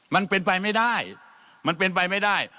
มันเป็นไปไม่ได้มันเป็นไปไม่ได้